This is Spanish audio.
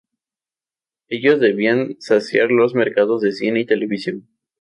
Ellos debían saciar los mercados de cine y televisión.